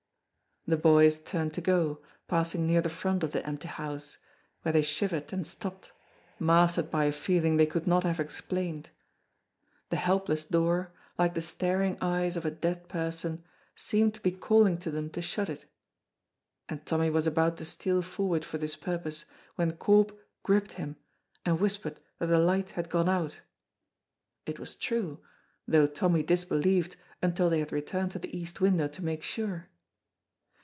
The boys turned to go, passing near the front of the empty house, where they shivered and stopped, mastered by a feeling they could not have explained. The helpless door, like the staring eyes of a dead person, seemed to be calling to them to shut it, and Tommy was about to steal forward for this purpose when Corp gripped him and whispered that the light had gone out. It was true, though Tommy disbelieved until they had returned to the east window to make sure.